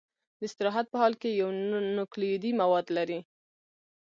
د استراحت په حال کې یو نوکلوئیدي مواد لري.